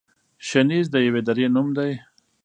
شنیز د یوې درې نوم دی.